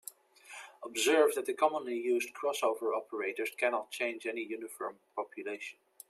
Observe that commonly used crossover operators cannot change any uniform population.